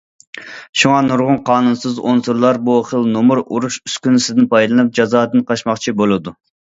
شۇڭا نۇرغۇن قانۇنسىز ئۇنسۇرلار بۇ خىل نومۇر ئۆرۈش ئۈسكۈنىسىدىن پايدىلىنىپ جازادىن قاچماقچى بولىدۇ.